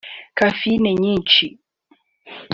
Kafeine nyinshi